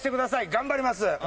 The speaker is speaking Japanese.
頑張ります。